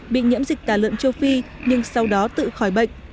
bị nhiễm dịch tả lợn châu phi nhưng sau đó tự khỏi bệnh